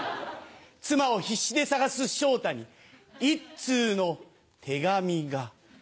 妻を必死で捜す昇太に、一通の手紙が。